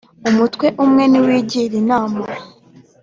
Umutwe umwe ntiwigira inama.